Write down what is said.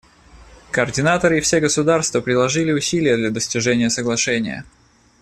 Координаторы и все государства приложили усилия для достижения соглашения.